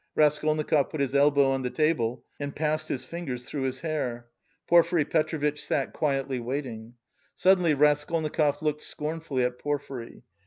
Raskolnikov put his elbow on the table and passed his fingers through his hair. Porfiry Petrovitch sat quietly waiting. Suddenly Raskolnikov looked scornfully at Porfiry.